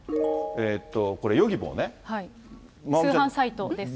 これ、通販サイトです。